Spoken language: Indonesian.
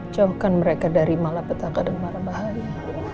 jauhkan mereka dari mala petaka dan mala bahaya